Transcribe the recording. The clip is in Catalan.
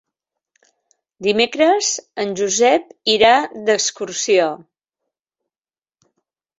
Dimecres en Josep irà d'excursió.